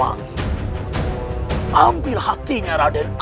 ambil hatinya raden aku akan membantu ayah anda meraih peramu siliwangi